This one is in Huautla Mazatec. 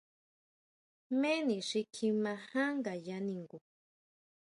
¿Jméni xi kjima jan ngaya ningu?